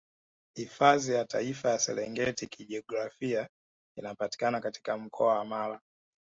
Hifadhi ya Taifa ya Serengeti Kijiografia inapatikana katika Mkoa wa Mara